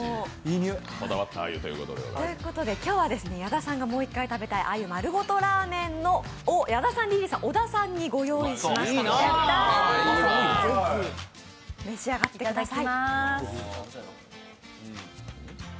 今日は、矢田さんがもう１回食べたい鮎マルゴトラーメンを矢田さん、リリーさん、小田さんにご用意しましたので召し上がってください。